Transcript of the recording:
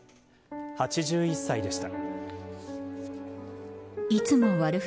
８１歳でした。